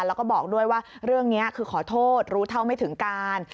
เรื่องในนี้อีกเรื่องคือขอโทษรู้เท่าไม่ถึงการ